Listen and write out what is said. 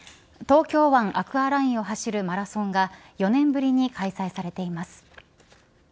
東京湾アクアラインを走るマラソンが４年ぶりに開催されています。